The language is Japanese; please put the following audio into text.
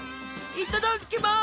「いっただっきます！